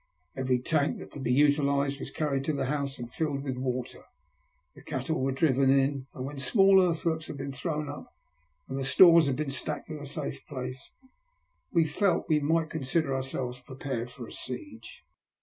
Every tank that could be utilized was carried to the house and filled with water. The cattle were driven in, and when small earthworks had been thrown up and the stores had been stacked in a safe place, we felt we might con sider ourselves prepared for a siege.